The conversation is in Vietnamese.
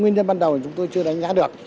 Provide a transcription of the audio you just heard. nguyên nhân ban đầu chúng tôi chưa đánh giá được